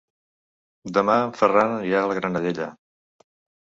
Demà en Ferran anirà a la Granadella.